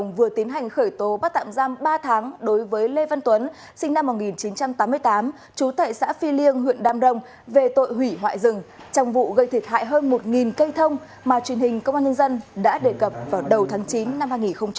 công an huyện đam rông đã tiến hành khởi tố bắt tạm giam ba tháng đối với lê văn tuấn sinh năm một nghìn chín trăm tám mươi tám chú tại xã phi liêng huyện đam rông về tội hủy hoại rừng trong vụ gây thiệt hại hơn một cây thông mà truyền hình công an nhân dân đã đề cập vào đầu tháng chín năm hai nghìn một mươi tám